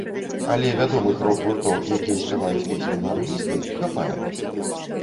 Але вядомых рок-гуртоў, якія спяваюць песні на англійскай, хапае.